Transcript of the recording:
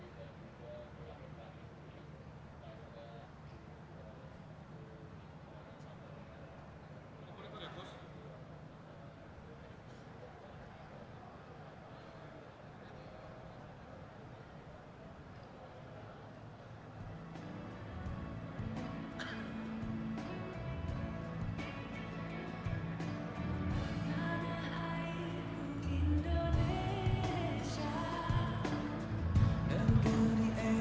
mewakili panglima angkatan bersenjata singapura